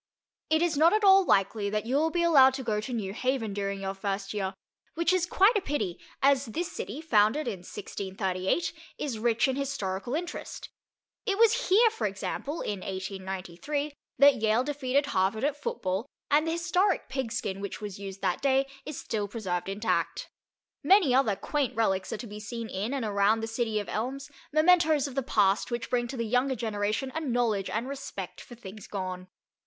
It is not at all likely that you will be allowed to go to New Haven during your first year, which is quite a pity, as this city, founded in 1638, is rich in historical interest. It was here, for example, in 1893, that Yale defeated Harvard at football, and the historic Pigskin which was used that day is still preserved intact. Many other quaint relics are to be seen in and around the city of elms, mementos of the past which bring to the younger generation a knowledge and respect for things gone.